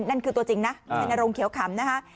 นั่นคือตัวจริงนะชัยนรงเขียวขำนะคะ